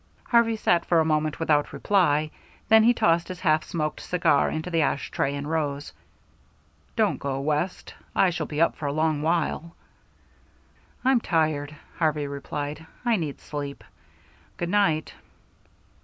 Harvey sat for a moment without reply, then he tossed his half smoked cigar into the ashtray and rose. "Don't go, West. I shall be up for a long while." "I'm tired," Harvey replied. "I need sleep. Good night."